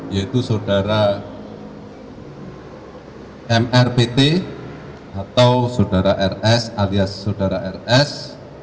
yaitu saudara mrpt atau saudara rs alias saudara rs